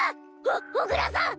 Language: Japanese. お小倉さん！